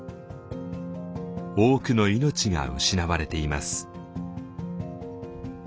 多くの命が失われています。